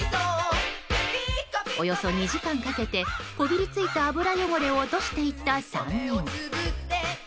およそ２時間かけてこびりついた油汚れを落としていった３人。